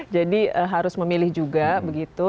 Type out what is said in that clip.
jadi harus memilih juga begitu